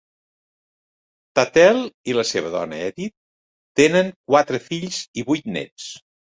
Tatel i la seva dona Edith tenen quatre fills i vuit nets.